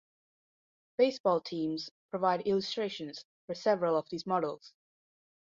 Baseball teams provide illustrations for several of these models.